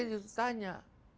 terus saya ditanya